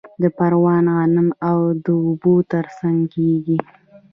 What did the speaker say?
د پروان غنم د اوبو ترڅنګ کیږي.